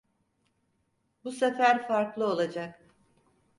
Bu sefer farklı olacak.